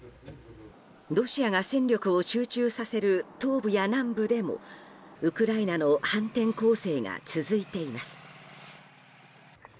ロシアが戦力を集中させる東部や南部でもウクライナの反転攻勢が続いています。